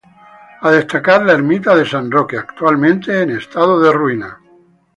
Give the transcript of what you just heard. A destacar la ermita de San Roque, actualmente en estado de ruina.